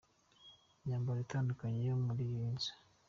Imyambaro itandukanye yo muri iyi nzu.